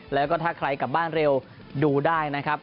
แล้วก็ถ้าใครกลับบ้านเร็วดูได้นะครับ